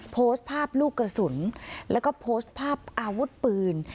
โพสต์ภาพลูกกระสุนแล้วก็โพสต์ภาพอาวุธปืน